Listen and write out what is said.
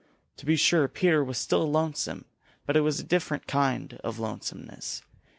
To be sure Peter was still lonesome, but it was a different kind of lonesomeness.